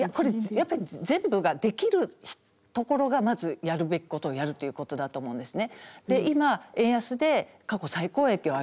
やっぱり全部ができるところがまずやるべきことをやるということだと思うんですね。